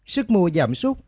sức mua giảm suốt